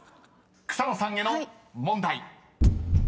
［草野さんへの問題］